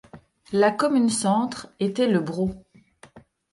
La commune-centre était Le Broc.